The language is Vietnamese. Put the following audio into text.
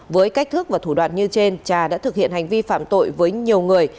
với cách thức và thủ đoạn như trên trà đã thực hiện hành vi phạm tội với nhiều người